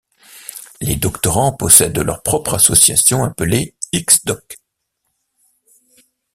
Les doctorants possèdent leur propre association, appelée X'Doc.